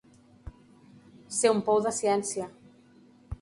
Ser un pou de ciència.